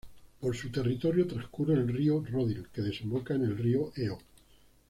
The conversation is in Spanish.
Por su territorio transcurre el río Rodil que desemboca en el río Eo.